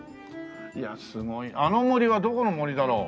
いやすごいあの森はどこの森だろう？